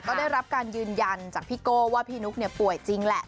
ก็ได้รับการยืนยันจากพี่โก้ว่าพี่นุ๊กป่วยจริงแหละ